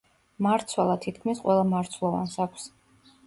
მარცვალა თითქმის ყველა მარცვლოვანს აქვს.